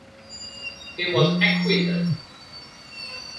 He was acquitted.